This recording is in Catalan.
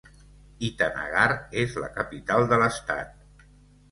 Itanagar és la capital de l'estat.